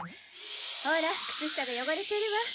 ほら靴下が汚れてるわ。